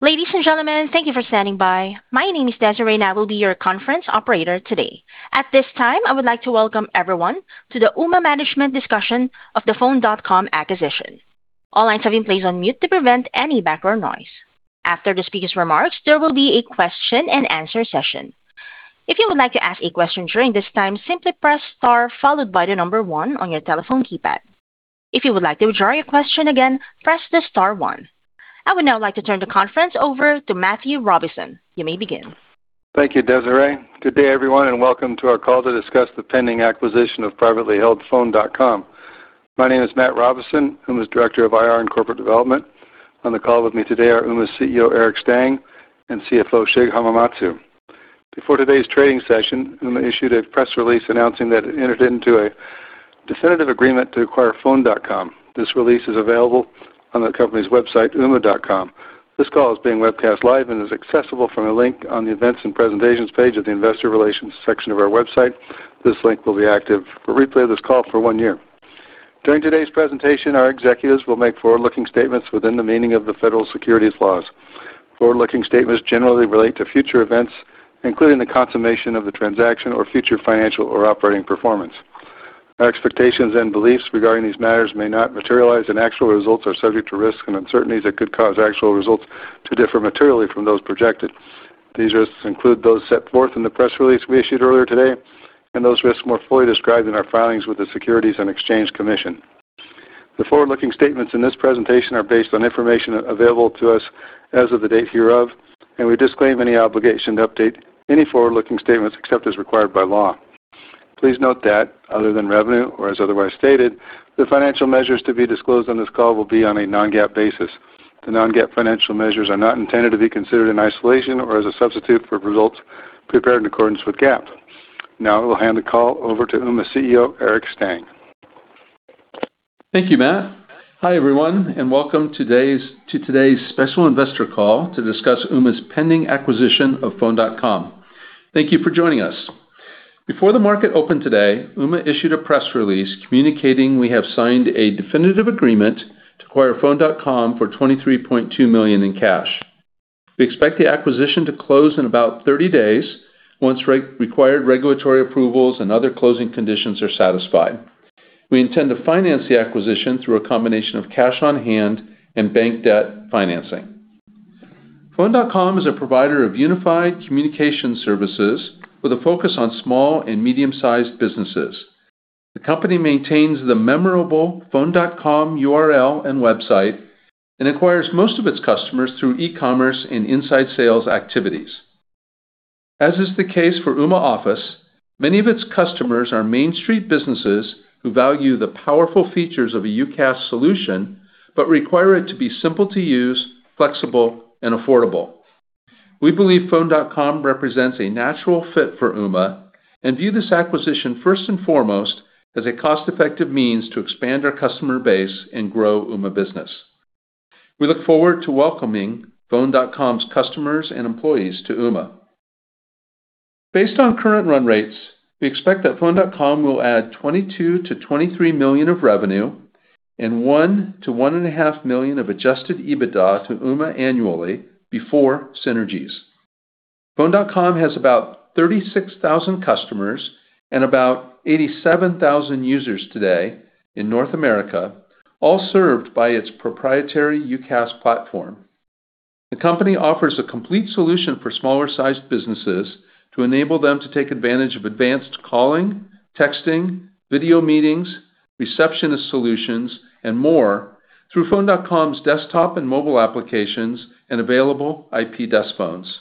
Ladies and gentlemen, thank you for standing by. My name is Desiree, and I will be your conference operator today. At this time, I would like to welcome everyone to the Ooma Management Discussion of the Phone.com Acquisition. All lines have been placed on mute to prevent any background noise. After the speaker's remarks, there will be a question-and-answer session. If you would like to ask a question during this time, simply press star followed by the number one on your telephone keypad. If you would like to draw your question again, press the star one. I would now like to turn the conference over to Matthew Robison. You may begin. Thank you, Desiree. Good day, everyone, and welcome to our call to discuss the pending acquisition of privately held Phone.com. My name is Matt Robison, Ooma's Director of IR and Corporate Development. On the call with me today are Ooma's CEO, Eric Stang, and CFO, Shig Hamamatsu. Before today's trading session, Ooma issued a press release announcing that it entered into a definitive agreement to acquire Phone.com. This release is available on the company's website, Ooma.com. This call is being webcast live and is accessible from a link on the Events and Presentations page of the Investor Relations section of our website. This link will be active for replay of this call for one year. During today's presentation, our executives will make forward-looking statements within the meaning of the federal securities laws. Forward-looking statements generally relate to future events, including the consummation of the transaction or future financial or operating performance. Our expectations and beliefs regarding these matters may not materialize, and actual results are subject to risks and uncertainties that could cause actual results to differ materially from those projected. These risks include those set forth in the press release we issued earlier today, and those risks more fully described in our filings with the Securities and Exchange Commission. The forward-looking statements in this presentation are based on information available to us as of the date hereof, and we disclaim any obligation to update any forward-looking statements except as required by law. Please note that, other than revenue or as otherwise stated, the financial measures to be disclosed on this call will be on a non-GAAP basis. The non-GAAP financial measures are not intended to be considered in isolation or as a substitute for results prepared in accordance with GAAP. Now, I will hand the call over to Ooma's CEO, Eric Stang. Thank you, Matt. Hi, everyone, and welcome to today's special investor call to discuss Ooma's pending acquisition of Phone.com. Thank you for joining us. Before the market opened today, Ooma issued a press release communicating we have signed a definitive agreement to acquire Phone.com for $23.2 million in cash. We expect the acquisition to close in about 30 days once required regulatory approvals and other closing conditions are satisfied. We intend to finance the acquisition through a combination of cash on hand and bank debt financing. Phone.com is a provider of unified communication services with a focus on small and medium-sized businesses. The company maintains the memorable Phone.com URL and website and acquires most of its customers through e-commerce and inside sales activities. As is the case for Ooma Office, many of its customers are Main Street businesses who value the powerful features of a UCaaS solution but require it to be simple to use, flexible, and affordable. We believe Phone.com represents a natural fit for Ooma and view this acquisition first and foremost as a cost-effective means to expand our customer base and grow Ooma business. We look forward to welcoming Phone.com's customers and employees to Ooma. Based on current run rates, we expect that Phone.com will add $22 million-$23 million of revenue and $1 million-$1.5 million of Adjusted EBITDA to Ooma annually before synergies. Phone.com has about 36,000 customers and about 87,000 users today in North America, all served by its proprietary UCaaS platform. The company offers a complete solution for smaller-sized businesses to enable them to take advantage of advanced calling, texting, video meetings, receptionist solutions, and more through Phone.com's desktop and mobile applications and available IP desk phones.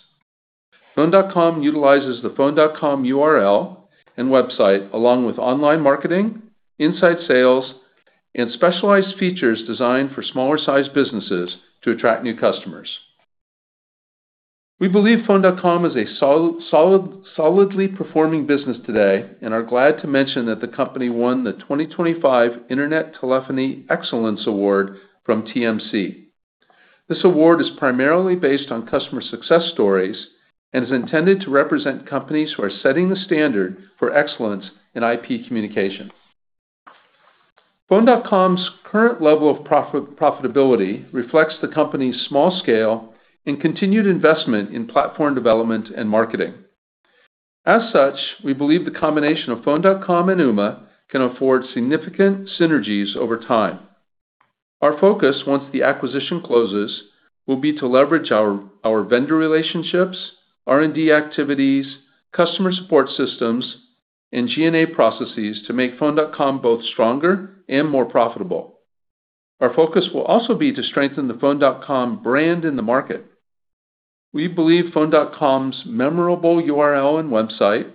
Phone.com utilizes the Phone.com URL and website along with online marketing, inside sales, and specialized features designed for smaller-sized businesses to attract new customers. We believe Phone.com is a solidly performing business today and are glad to mention that the company won the 2025 Internet Telephony Excellence Award from TMC. This award is primarily based on customer success stories and is intended to represent companies who are setting the standard for excellence in IP communication. Phone.com's current level of profitability reflects the company's small scale and continued investment in platform development and marketing. As such, we believe the combination of Phone.com and Ooma can afford significant synergies over time. Our focus once the acquisition closes will be to leverage our vendor relationships, R&D activities, customer support systems, and G&A processes to make Phone.com both stronger and more profitable. Our focus will also be to strengthen the Phone.com brand in the market. We believe Phone.com's memorable URL and website,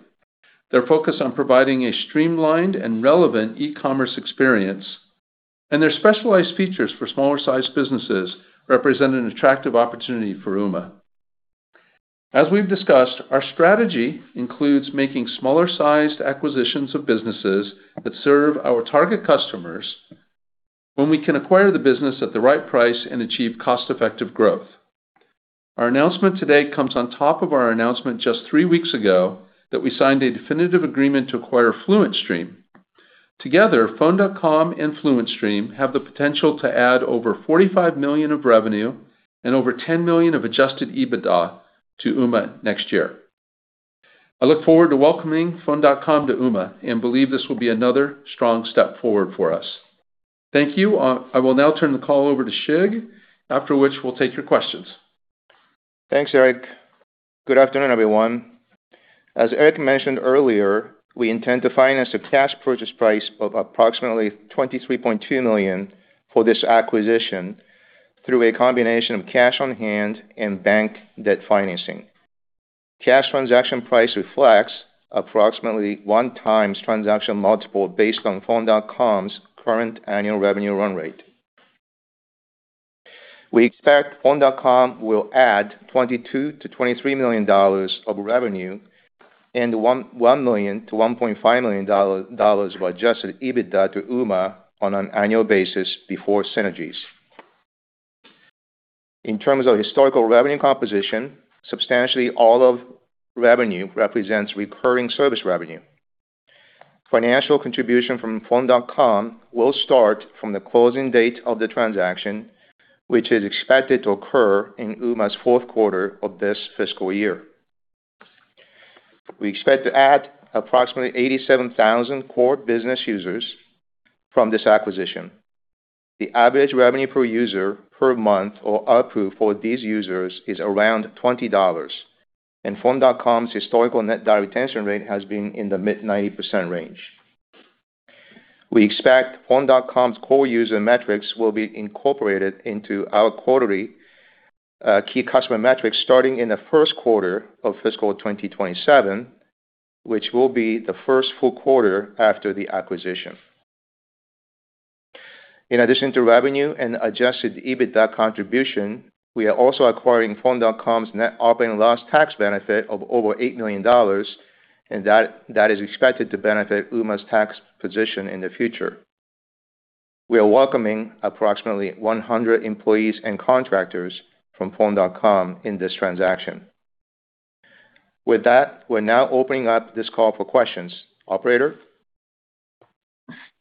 their focus on providing a streamlined and relevant e-commerce experience, and their specialized features for smaller-sized businesses represent an attractive opportunity for Ooma. As we've discussed, our strategy includes making smaller-sized acquisitions of businesses that serve our target customers when we can acquire the business at the right price and achieve cost-effective growth. Our announcement today comes on top of our announcement just three weeks ago that we signed a definitive agreement to acquire FluentStream. Together, Phone.com and FluentStream have the potential to add over $45 million of revenue and over $10 million of Adjusted EBITDA to Ooma next year. I look forward to welcoming Phone.com to Ooma and believe this will be another strong step forward for us. Thank you. I will now turn the call over to Shig, after which we'll take your questions. Thanks, Eric. Good afternoon, everyone. As Eric mentioned earlier, we intend to finance the cash purchase price of approximately $23.2 million for this acquisition through a combination of cash on hand and bank debt financing. Cash transaction price reflects approximately one-time transaction multiple based on Phone.com's current annual revenue run rate. We expect Phone.com will add $22 million-$23 million of revenue and $1 million-$1.5 million of Adjusted EBITDA to Ooma on an annual basis before synergies. In terms of historical revenue composition, substantially all of revenue represents recurring service revenue. Financial contribution from Phone.com will start from the closing date of the transaction, which is expected to occur in Ooma's fourth quarter of this fiscal year. We expect to add approximately 87,000 core business users from this acquisition. The average revenue per user per month for these users is around $20, and Phone.com's historical net dollar retention rate has been in the mid-90% range. We expect Phone.com's core user metrics will be incorporated into our quarterly key customer metrics starting in the first quarter of fiscal 2027, which will be the first full quarter after the acquisition. In addition to revenue and Adjusted EBITDA contribution, we are also acquiring Phone.com's net operating loss tax benefit of over $8 million, and that is expected to benefit Ooma's tax position in the future. We are welcoming approximately 100 employees and contractors from Phone.com in this transaction. With that, we're now opening up this call for questions. Operator?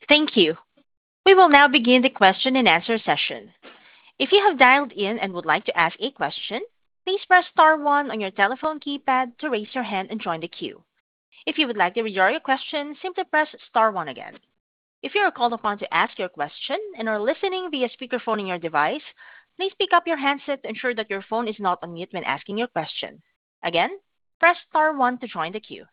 Thank you. We will now begin the question and answer session. If you have dialed in and would like to ask a question, please press star one on your telephone keypad to raise your hand and join the queue. If you would like to resolve your question, simply press star one again. If you are called upon to ask your question and are listening via speakerphone on your device, please pick up your handset to ensure that your phone is not on mute when asking your question. Again, press star one to join the queue.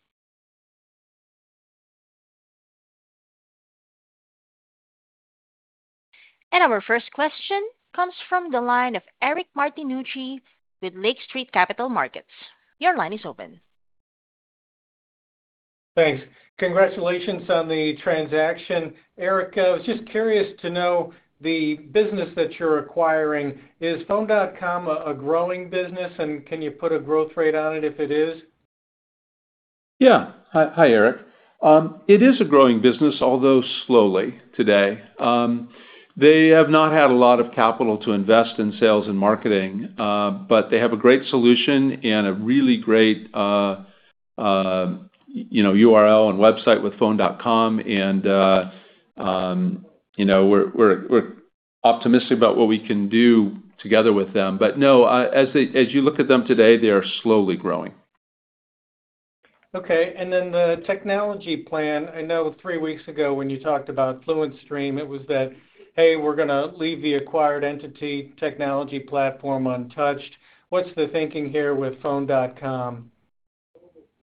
Our first question comes from the line of Eric Martinuzzi with Lake Street Capital Markets. Your line is open. Thanks. Congratulations on the transaction. Eric, I was just curious to know the business that you're acquiring, is Phone.com a growing business, and can you put a growth rate on it if it is? Yeah. Hi, Eric. It is a growing business, although slowly today. They have not had a lot of capital to invest in sales and marketing, but they have a great solution and a really great URL and website with Phone.com, and we're optimistic about what we can do together with them. No, as you look at them today, they are slowly growing. Okay. And then the technology plan, I know three weeks ago when you talked about FluentStream, it was that, "Hey, we're going to leave the acquired entity technology platform untouched." What's the thinking here with Phone.com?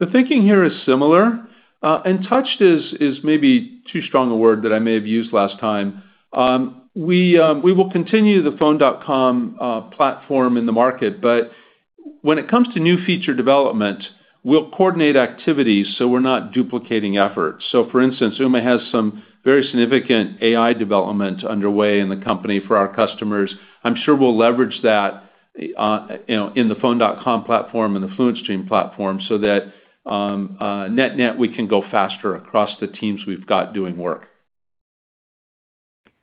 The thinking here is similar. Untouched is maybe too strong a word that I may have used last time. We will continue the Phone.com platform in the market, but when it comes to new feature development, we'll coordinate activities so we're not duplicating efforts. For instance, Ooma has some very significant AI development underway in the company for our customers. I'm sure we'll leverage that in the Phone.com platform and the FluentStream platform so that net-net we can go faster across the teams we've got doing work.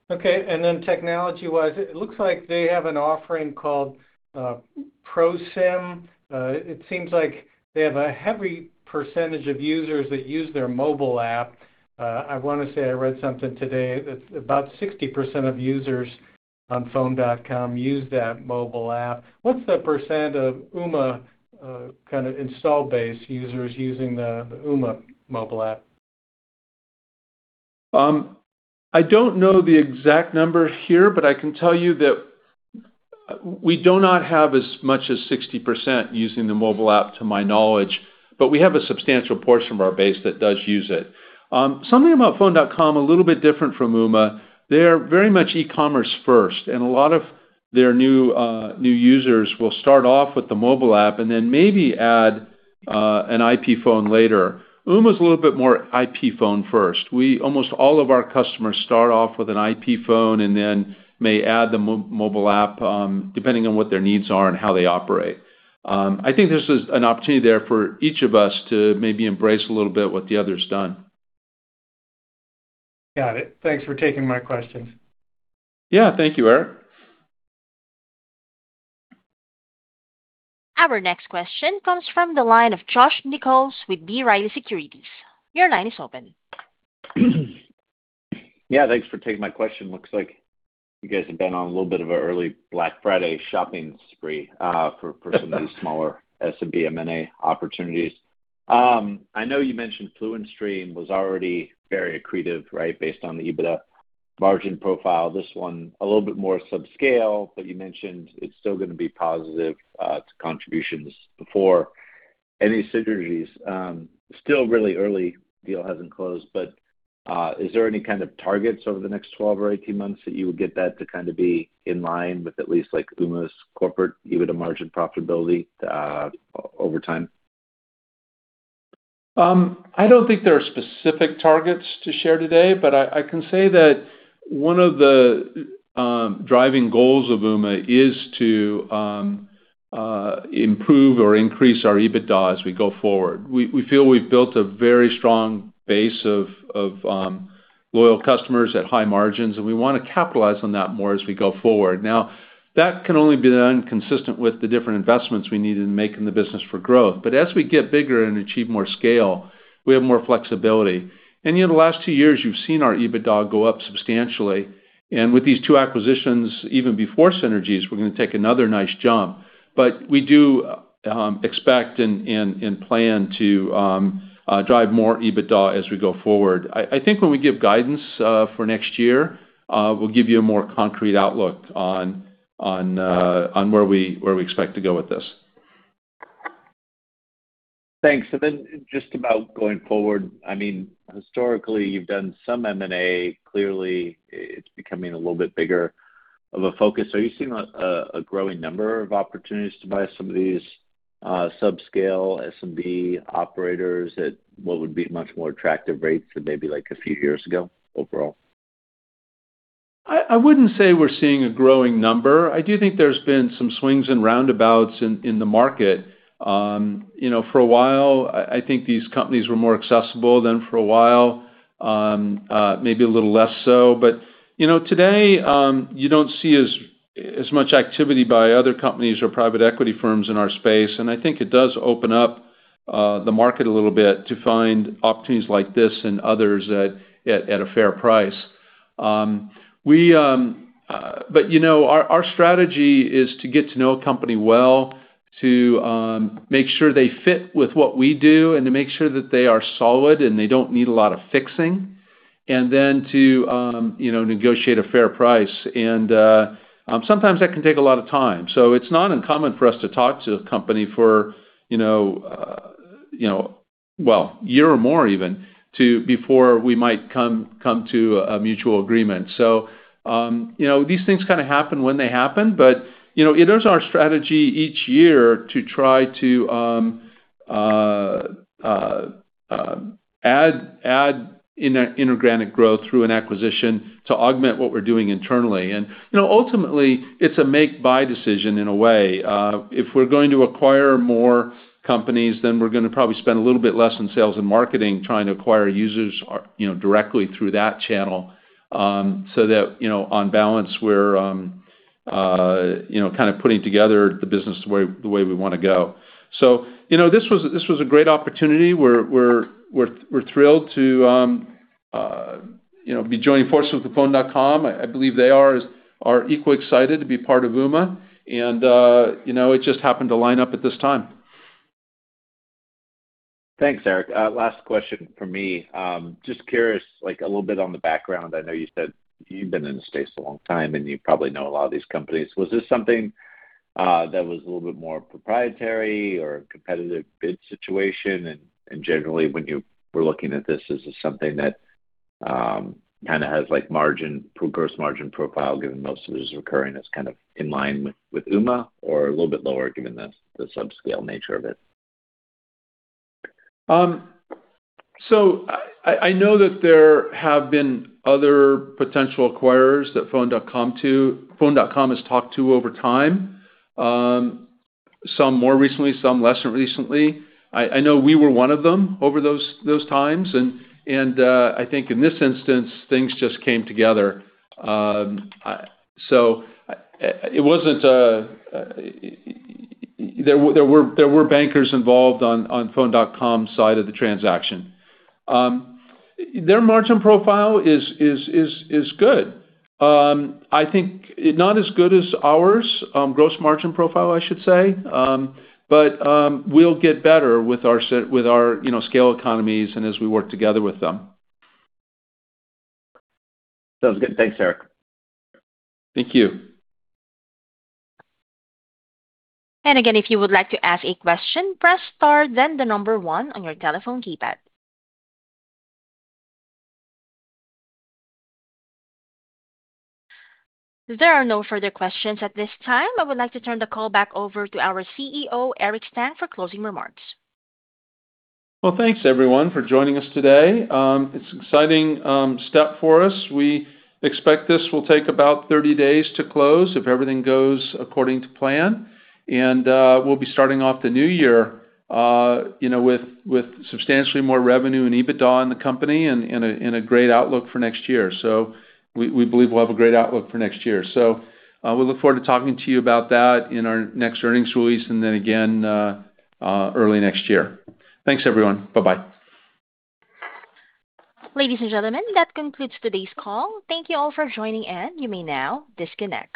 Okay. And then technology-wise, it looks like they have an offering called ProSim. It seems like they have a heavy percentage of users that use their mobile app. I want to say I read something today that about 60% of users on Phone.com use that mobile app. What's the percent of Ooma kind of install base users using the Ooma mobile app? I don't know the exact number here, but I can tell you that we do not have as much as 60% using the mobile app to my knowledge, but we have a substantial portion of our base that does use it. Something about Phone.com, a little bit different from Ooma, they're very much e-commerce first, and a lot of their new users will start off with the mobile app and then maybe add an IP phone later. Ooma is a little bit more IP phone first. Almost all of our customers start off with an IP phone and then may add the mobile app depending on what their needs are and how they operate. I think this is an opportunity there for each of us to maybe embrace a little bit what the other's done. Got it. Thanks for taking my questions. Yeah. Thank you, Eric. Our next question comes from the line of Josh Nichols with BYD Securities. Your line is open. Yeah. Thanks for taking my question. Looks like you guys have been on a little bit of an early Black Friday shopping spree for some of these smaller S&B M&A opportunities. I know you mentioned FluentStream was already very accretive, right, based on the EBITDA margin profile. This one, a little bit more subscale, but you mentioned it's still going to be positive to contributions before any synergies. Still really early. Deal hasn't closed, but is there any kind of targets over the next 12 or 18 months that you would get that to kind of be in line with at least Ooma's corporate EBITDA margin profitability over time? I don't think there are specific targets to share today, but I can say that one of the driving goals of Ooma is to improve or increase our EBITDA as we go forward. We feel we've built a very strong base of loyal customers at high margins, and we want to capitalize on that more as we go forward. Now, that can only be done consistent with the different investments we need to make in the business for growth. As we get bigger and achieve more scale, we have more flexibility. In the last two years, you've seen our EBITDA go up substantially. With these two acquisitions, even before synergies, we're going to take another nice jump. We do expect and plan to drive more EBITDA as we go forward. I think when we give guidance for next year, we'll give you a more concrete outlook on where we expect to go with this. Thanks. Just about going forward, I mean, historically, you've done some M&A. Clearly, it's becoming a little bit bigger of a focus. Are you seeing a growing number of opportunities to buy some of these subscale S&B operators at what would be much more attractive rates than maybe a few years ago overall? I wouldn't say we're seeing a growing number. I do think there's been some swings and roundabouts in the market. For a while, I think these companies were more accessible than for a while, maybe a little less so. Today, you don't see as much activity by other companies or private equity firms in our space. I think it does open up the market a little bit to find opportunities like this and others at a fair price. Our strategy is to get to know a company well, to make sure they fit with what we do, and to make sure that they are solid and they don't need a lot of fixing, and then to negotiate a fair price. Sometimes that can take a lot of time. It is not uncommon for us to talk to a company for, well, a year or more even before we might come to a mutual agreement. These things kind of happen when they happen, but it is our strategy each year to try to add inorganic growth through an acquisition to augment what we are doing internally. Ultimately, it is a make-buy decision in a way. If we are going to acquire more companies, then we are going to probably spend a little bit less in sales and marketing trying to acquire users directly through that channel so that on balance, we are kind of putting together the business the way we want to go. This was a great opportunity. We are thrilled to be joining forces with Phone.com. I believe they are equally excited to be part of Ooma. It just happened to line up at this time. Thanks, Eric. Last question for me. Just curious, a little bit on the background. I know you said you've been in the space a long time, and you probably know a lot of these companies. Was this something that was a little bit more proprietary or a competitive bid situation? Generally, when you were looking at this, is this something that kind of has a gross margin profile given most of it is recurring as kind of in line with Ooma or a little bit lower given the subscale nature of it? I know that there have been other potential acquirers that Phone.com has talked to over time, some more recently, some less recently. I know we were one of them over those times. I think in this instance, things just came together. It was not a there were bankers involved on Phone.com's side of the transaction. Their margin profile is good. I think not as good as ours, gross margin profile, I should say. We will get better with our scale economies and as we work together with them. Sounds good. Thanks, Eric. Thank you. If you would like to ask a question, press star, then the number one on your telephone keypad. There are no further questions at this time. I would like to turn the call back over to our CEO, Eric Stang, for closing remarks. Thanks, everyone, for joining us today. It's an exciting step for us. We expect this will take about 30 days to close if everything goes according to plan. We'll be starting off the new year with substantially more revenue and EBITDA in the company and a great outlook for next year. We believe we'll have a great outlook for next year. We look forward to talking to you about that in our next earnings release and then again early next year. Thanks, everyone. Bye-bye. Ladies and gentlemen, that concludes today's call. Thank you all for joining, and you may now disconnect.